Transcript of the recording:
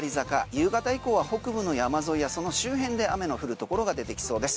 夕方以降は北部の山沿いやその周辺で雨の降るところが出てきそうです。